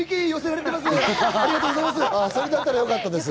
ありがとうございます。